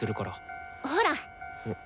ほら。